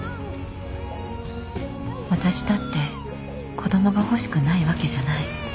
私だって子供が欲しくないわけじゃない